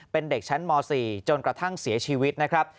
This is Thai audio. เป็นเด็กชั้นม๔จนกระทั่งเสียชีวิตนะครับ